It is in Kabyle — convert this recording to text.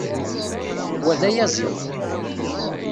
Wa d ayaziḍ.